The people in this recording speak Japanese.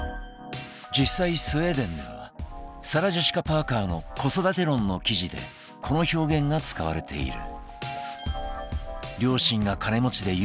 実際スウェーデンではサラ・ジェシカ・パーカーの子育て論の記事でこの表現が使われている。